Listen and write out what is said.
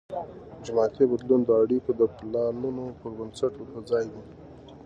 اجتماعي بدلون د اړیکو د پلانون پر بنسټ پرځای دی.